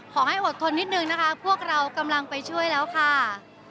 อดทนนิดนึงนะคะพวกเรากำลังไปช่วยแล้วค่ะ